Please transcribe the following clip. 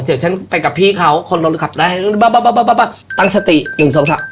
เดี๋ยวฉันไปกับพี่เขาคนเราขับได้ตั้งสติอยู่สองสาม